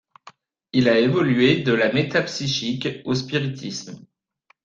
Il a évolué de la métapsychique au spiritisme.